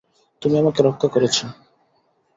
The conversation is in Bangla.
তুমি আমাকে রক্ষা করেছো।